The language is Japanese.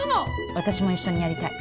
私も一緒にやりたい。